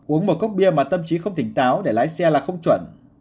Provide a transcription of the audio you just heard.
uống một cốc bia mà tâm trí không tỉnh táo để lái xe là không chuẩn